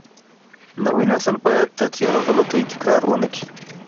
نوی نسل باید د تېرو غلطیو تکرار ونه کړي.